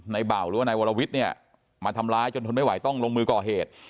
เบาหรือว่านายวรวิทย์เนี่ยมาทำร้ายจนทนไม่ไหวต้องลงมือก่อเหตุ